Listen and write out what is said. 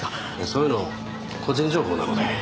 そういうの個人情報なので。